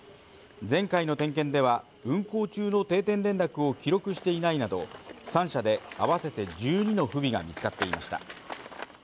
前回の点検では運航中の定点連絡を記録していないなど、３社で合わせて１２の不備が見つかっていました。